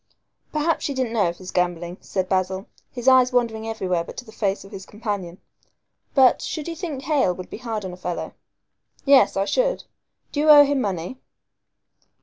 "Perhaps she didn't know of his gambling," said Basil, his eyes wandering everywhere but to the face of his companion; "but, should you think Hale would be hard on a fellow?" "Yes, I should. Do you owe him money?"